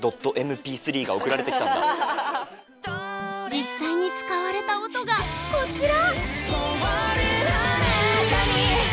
実際に使われた音がこちら！